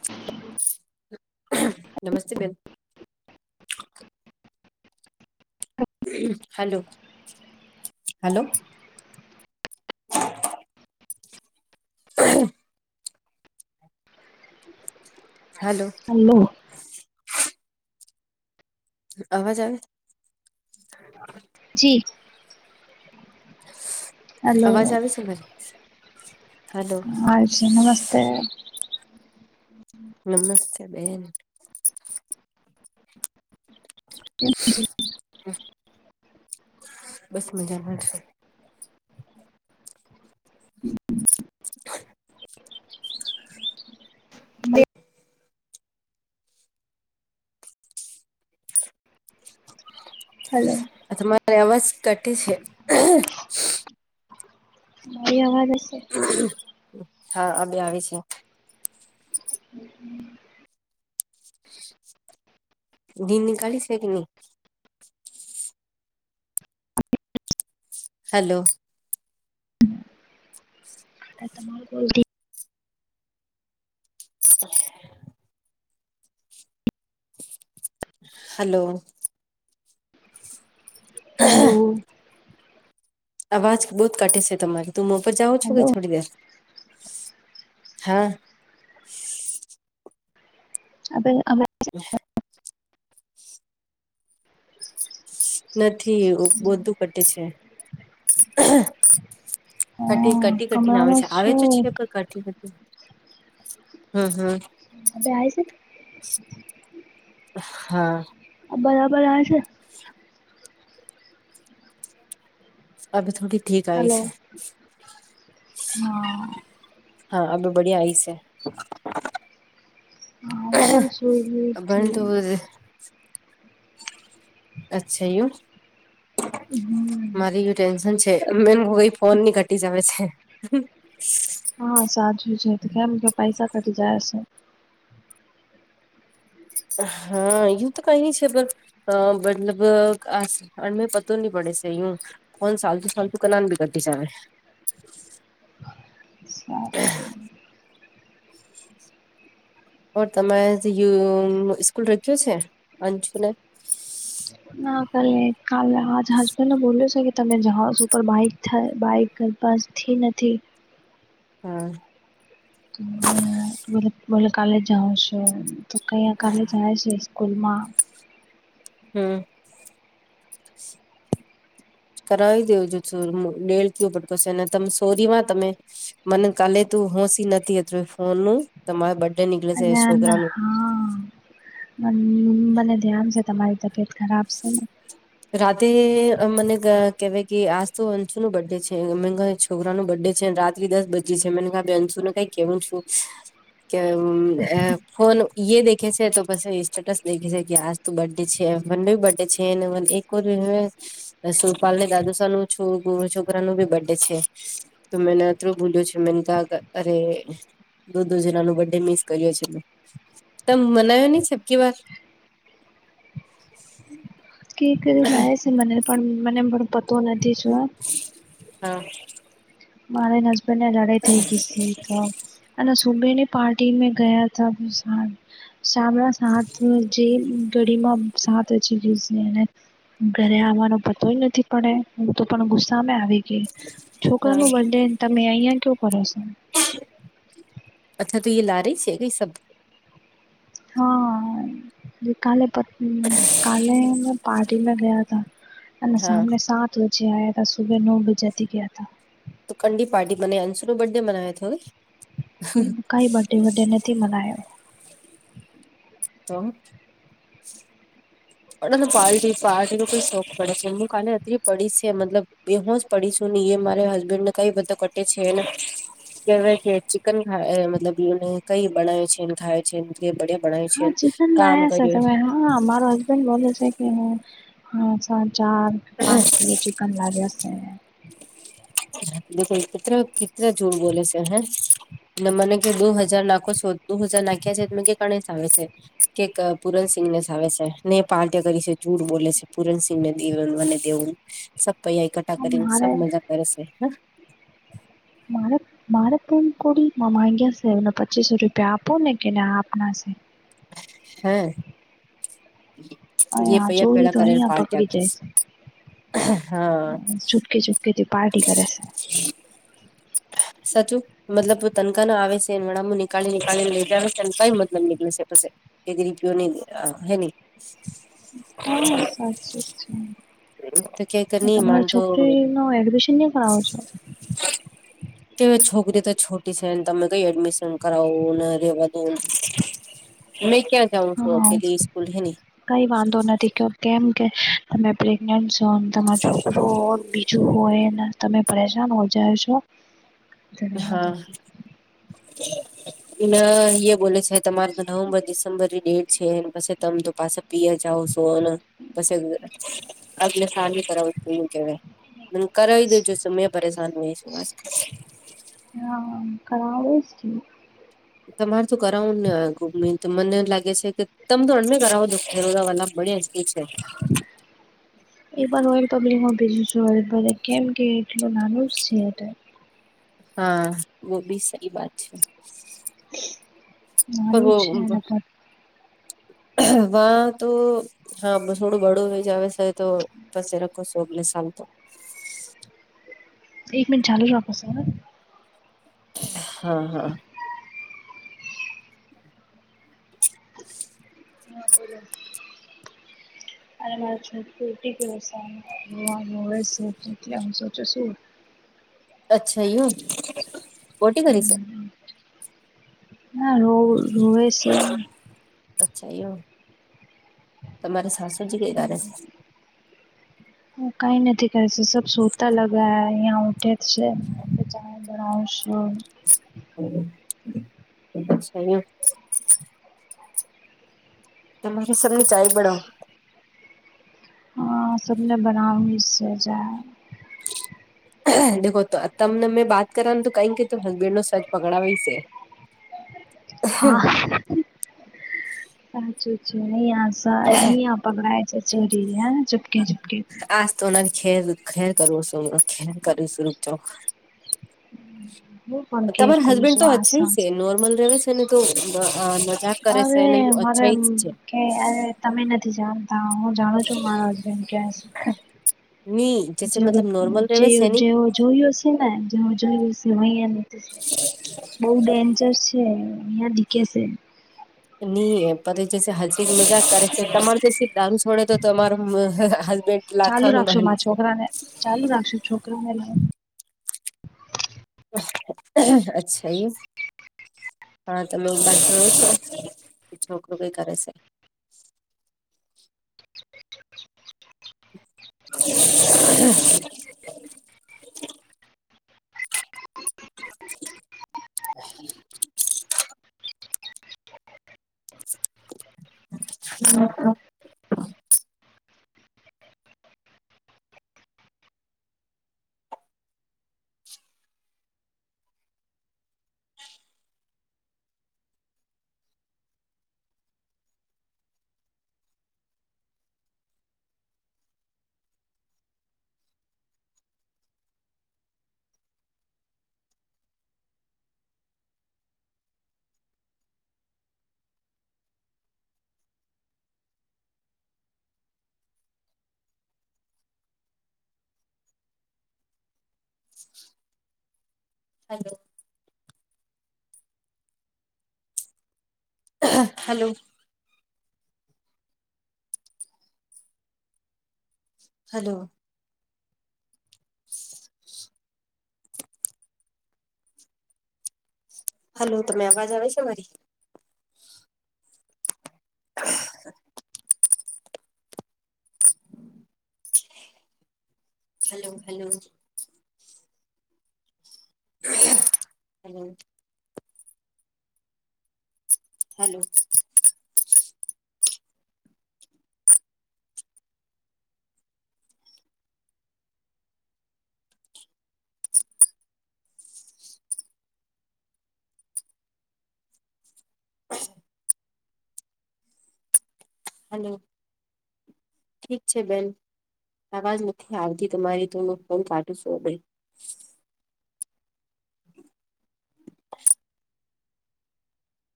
[inaudible] નમસ્તે બેન. Hello! Hello! [inaudible] Hello! Hello. અવાજ આવે છે? [inaudible] જી. હલો અવાજ આવે છે મને. હાલો હાજી નમસ્તે! નમસ્તે બેન. કેમ છે? [inaudible] બસ મજામાં જ છે. [inaudible] હલો. આજે તમારે અવાજ કટે છે. મારી અવાજ હશે. હા અબે આવે છે. હમ્મ. દિ નીંદ કાઢી છે કે ની? હલો. આ તમારુ બોલતી [inaudible] હલો. હલો. અવાજ બહુત કટે છે તમારો. તુમ ઉપર જાઉં હલો છુંઈ થોડી દેર? હા. આવે ને અવે? [unintelligible] નથી, બધું કટે છે. કટી હા કટી કટીને કમરામાં છે આવે છે આવે તો છે શું પણ કટી કટી ને. હમ. હમ. અવે આવે છે? હા. બરાબર આવે છે ને? [unintelligible] અબી થોડી ઠીક આયી હલો છે. હા હા, અબ બઢિયા આઈ સે. હા હું પણ સુઈ ગઈ હતી [unintelligible] અચ્છા એવું છે? હમ મારી એ ટેન્શન છે [unintelligible] ફોનની [unintelligible] આવે છે હમ્મ. હા સાચું છે. કેમ કે પૈસા કટી જાય છે. હા, એવુ તો કહી નય છે પણ [unintelligible] કોણ સાલતુ સાલતુ કે નાન બગતી [unintelligible] સારુ છે ઓર તમે [unintelligible] સ્કૂલ રખ્યો છે અંશુને ના કલે કાલલે આજ હસબન્ડે બોલ્યો છે કે તમે જહાજ ઉપર બાઈક થાય બાઈક બસથી નથી હા બોલે કાલે જાઓ છો તો કયા કાલે જાય છે સ્કુલમાં હમ્મ કરાવી દેવ જો છો દેડ કુ પટકોશેને ત સોરી વા તમે મને કાલે તું હોશી નથીત ફોન નું તમારા બ નાના હ મને ધ્યાન છે તમારી તબિયત ખરાબ છે ને રાતેે મને કેવાય કે આજ તો અંશુ નો બર્ડે છે મે છોકરા નું બર્થ ડે છે રાત્રી દસ બજી છે મને આ અંશુ ને કઈ કેવું છું કે ફોન એ દેખે છે તો પસે સ્ટેટસ દેખે છે કે આ તો બર્થડે છે એમ બંને બર્થડે છે એકોર એ સુપાલને દાદુશાહ નું છો છોકરા નું ભી બર્ડે છે તો મેને થું ભૂલ્યું છે મેને ક્યા અરે દો દો જના ન બર્થડે મિસ કર્યો છે મે તમ મનાવ્યો નહી છપકી વાર કે કરી લાવે છે મને પણ મને પણ પતો નથી જોયો હા મારે ન હસબન્ડ ને લડાઈ થઈ ગઈ છે તો અને સુમની પાર્ટીમાં ગયા હતા સા શામના સાત જે ઘડી માં સાત હચી ગઈ એને ઘરે આવવાનો પતો જ નથી પડે હું તો પણ ગુસ્સામે આવી ગઈ હા કોનું બર્થડે તમે અહીંયા કેવું [unintelligible] અચ્છા તો એ લારી છે કઈ સબ હા જે કાલે પ કાલે મેં પાર્ટીમાં ગયા હતા અને હા સામને સાત તો જે [inaudible] સુબે નવ બજેથી ગયા તા તો કંડી પાર્ટી મને અંશુ નો બર્થડે બનાયો તો કઈ કાય બર્ડે વર્ડે નથી મનાયો. ચમ [inaudible] પાર્ટી પાર્ટીનો કઈ શોખ પડે છે હું કાલે અતલી પડી છે મતલબ એ હું જ પડીશું [inaudible] એ મારે હસબેન્ડ ને કઈ બધા કટે છેને કેવાય કે ચિકન ખાય મતલબ ને કઈ બનાવે છેને ખાય [inaudible] ભણાય હા છેમ ચિકન કામ લાયા છે કર્યું તમે હા મારો હસબન્ડ બોલે છે કે હું ચાર પાંચ કિલો [inaudible] [inaudible] [inaudible] બોલે છે હે [inaudible] ને મને કે દુ હજાર નાખો છો દુ હજાર નાખ્યા છે એ કે ગણેશ આવે છે [inaudible] કે પૂરનસિંહ ને જ આવે છે ને પાર્ટ્યા કરી છે જૂઠ બોલે છે પૂરણસિંહ ને [inaudible] સબ પૈયા એકઠા હા, કરીને સબ મજા કરે છે હ [inaudible] મારેપન કોડી મા માંગ્યાયા સેવના [inaudible] પચીસેક રૂપિયા આપુંને કે ના આપનાસે. હમ્મ. [inaudible] અહીંયા પૈયા ચોરી ભેળા તો કરીને અહીંયા પાર્ટ્યા પકડી જાય કરશે છે. હા છૂપકે છુપકે થી પાર્ટી કરે છે. સાચુ મતલબ તનખા ન આવે સે અમણા મને નીકાળી નીકાળી ને લેય જવાનું તેનું કઈ મતલબ નીકળે [unintelligible] સે. [inaudible] અ હેની? હ, સાચી જ છે. તો ક્યાંક આ નહી તમારી માનતો છોકરી નો એડમિશન ની કરવાનો છે? [inaudible] કે છોકરી તો છોટી છે ને તમે કઈ એડમિશન કરાવું ને રેવા દેવ ને. [inaudible] ક્યાં જાઉ છું હા અકેલી સ્કૂલ હૈની? કઈ વાંધો નથી ક કેમ કે. [unintelligible] [unintelligible] [unintelligible] [unintelligible] [unintelligible] [inaudible] તમે પરેશાન [unintelligible] [unintelligible] સો. ધન્યવાદ! હા [inaudible] બોલે છે તમારે તો નવેમ્બર ડિસેમ્બરની ડેટ છેને પસી તમે તો પાસા પીયર જાવ સો ને પસી અગ્લે સાલ. [inaudible] [inaudible] [inaudible] [unintelligible] કરાવી દેજો [inaudible] પરેશાન. [inaudible] હ, કરાવીશ. તમારે તો કરાવું ન. [unintelligible] તો મને એમ લાગે છે કે [inaudible] [inaudible] [inaudible] [inaudible] [inaudible] [inaudible] એક વાર રોયલ પબ્લિકમાં ભેજૂ છું [inaudible] કેમ કે એટલુ નાનુજ છે. [inaudible] હા, વો ભી સહી વાત છે. નાનું જ છે અને [inaudible] હા તો હા [inaudible] થોડું [unintelligible] [inaudible] આવે છે. [unintelligible] [unintelligible] [unintelligible] [unintelligible] એક મનિટ ચાલું રાખો. [inaudible] હા, હા. હા, બોલો. [inaudible] [unintelligible] [inaudible] અચ્છા એવું! ના રો રોવે સે. અચ્છા એવું, તમારી સાસુજી કઈ કરે? હું કાઈ નથી કરતી સબ સોતા લગા આ અયાં ઉઠે. છે. હું ચણા. [inaudible] અચ્છા એમ! તમારી સારુ ચાય. [unintelligible] હા, સબ ને બનાવી સે ચાય. દેખો ત તમને મેં બાત કરવાનું તો [inaudible] [inaudible] કે હસબેન્ડ નો સચ પકડાવાય સે. [inaudible] હા, આજે જેની આશા અહીયા પકડાાય [unintelligible] [unintelligible] [unintelligible] ચુપકે ચુપકે. આજ તો મે ખેર ખેર કરું શું [inaudible] ખેર કરૂ શું. [inaudible] [inaudible] હું પણ કેર તમારા કરું હસબેન્ડ છું તો અછાઇ આસામ છે, નોર્મલ રેવે છે ને તો મજાક કરશે, અરે ને ઇ મારે અચાઈ એમ જ છે. કે આ તમે નથી જાણતા, હું જાણું છું મારો હસબેંડ કેવ છે. ની. જૈસે જેવો, મતલબ નોર્મલ રહેવે જેવુ છે જે ની જેવો જોયો હશેને, જેવો જોયું હશે અહીયા ની. બોહ ડેન્જર છે, અહિયાં દીખે છે. ની એમ પદ જે છે હસી, મજાક કરે છે, તમારે છી દારૂ છોડે તો તમારો હસબેન્ડ લાખા નું માલિક છે. ખાલી રાખો છો. [unintelligible] અચ્છાઇ. હા તમે બાર જાયો છે, છોકરું કઈ કરે છે. [inaudible] [inaudible] [inaudible] [inaudible] [unintelligible] હાલો. હાલો. હાલો. [inaudible] હાલો, તમને અવાજ આવે છે મારી? [inaudible] [inaudible] હાલો હાલો. હાલો. હાલો. હાલો.. ઠીક છે બેન, અવાજ નથી આવતી તમારી, તો હું ફોન કાટુ છુ બેન. [inaudible]